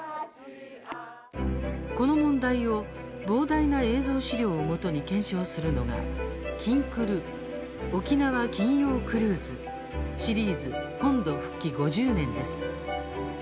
この問題を膨大な映像資料を基に検証するのが「きんくる沖縄金曜クルーズシリーズ本土復帰５０年」です。